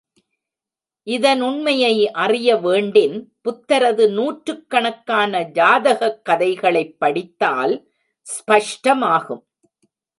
இதனுண்மையை அறிய வேண்டின் புத்தரது நூற்றுக்கணக்கான ஜாதகக் கதைகளைப் படித்தால் ஸ்பஷ்டமாகும்.